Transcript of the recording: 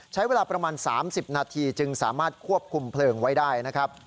ใช้เวลาประมาณ๓๐นาทีจึงสามารถควบคุมเพลิงไว้ได้นะครับ